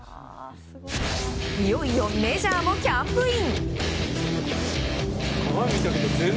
いよいよメジャーもキャンプイン！